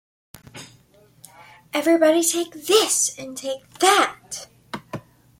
Everybody take this, and take that.